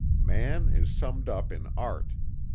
Man is summed up in Art.